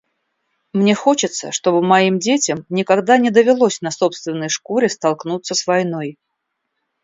Мне хочется, чтобы моим детям никогда не довелось на собственной шкуре столкнуться с войной.